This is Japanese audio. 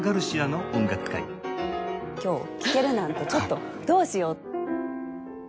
今日聴けるなんてちょっとどうしよう。